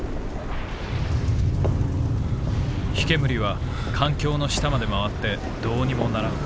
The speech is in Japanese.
「火煙は艦橋の下まで廻ってどうにもならん。